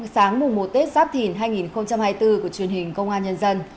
sáng mùa một tết sắp thìn hai nghìn hai mươi bốn của truyền hình công an nhân dân